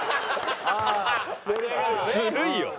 ずるいよ。